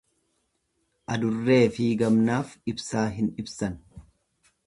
Adurreefi gamnaaf ibsaa hin ibsan.